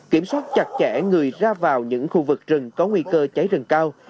kiểm soát chặt chẽ người ra vào những khu vực rừng có nguy cơ cháy rừng cao